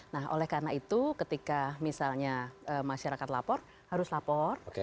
nah oleh karena itu ketika misalnya masyarakat lapor harus lapor